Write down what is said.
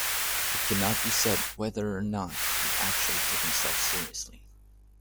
It cannot be said whether or not he actually took himself seriously.